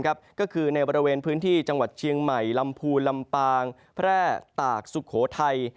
ก็คือในบริเวณพื้นที่จังหวัดเชียงใหม่ลำพูนลำปางแพร่ตากสุโขทัย